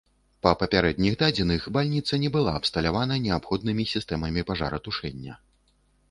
Па папярэдніх дадзеных, бальніца не была абсталявана неабходнымі сістэмамі пажаратушэння.